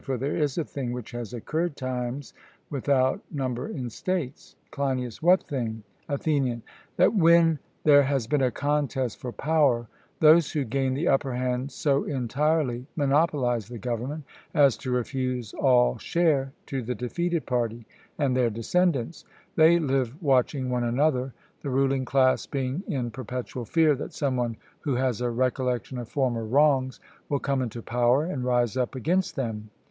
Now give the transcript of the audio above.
For there is a thing which has occurred times without number in states CLEINIAS: What thing? ATHENIAN: That when there has been a contest for power, those who gain the upper hand so entirely monopolize the government, as to refuse all share to the defeated party and their descendants they live watching one another, the ruling class being in perpetual fear that some one who has a recollection of former wrongs will come into power and rise up against them.